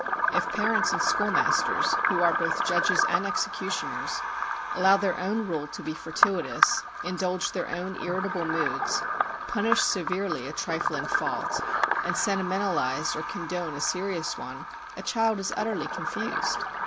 If parents and schoolmasters, who are both judges and executioners, allow their own rule to be fortuitous, indulge their own irritable moods, punish severely a trifling fault, and sentimentalise or condone a serious one, a child is utterly confused.